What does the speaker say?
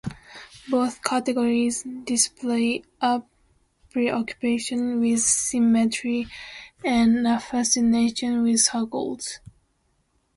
Both categories display a preoccupation with symmetry and a fascination with circles.